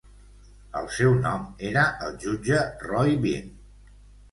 El seu nom era el jutge Roy Bean.